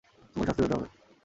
তোমাকে শাস্তি পেতে হবে।